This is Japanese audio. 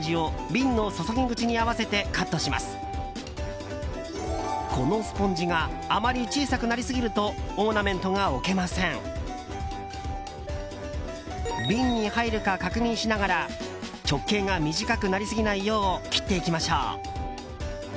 瓶に入るか確認しながら直径が短くなりすぎないよう切っていきましょう。